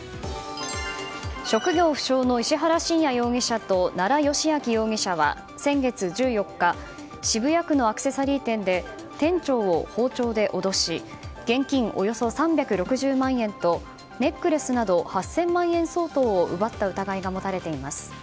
職業不詳の石原信也容疑者と奈良幸晃容疑者は先月１４日渋谷区のアクセサリー店で店長を包丁で脅し現金およそ３６０万円とネックレスなど８０００万円相当を奪った疑いが持たれています。